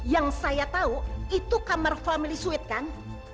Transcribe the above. yang saya tahu itu kamar family suite kan